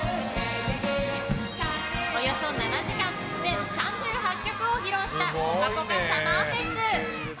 およそ７時間全３８曲を披露したぽかぽかＳＵＭＭＥＲＦＥＳ。